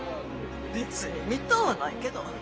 別に見とうはないけど。